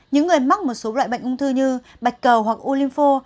những người mắc một số loại bệnh ung thư như bạch cầu hoặc ulinfo